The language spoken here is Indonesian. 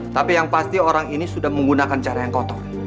tapi yang pasti orang ini sudah menggunakan cara yang kotor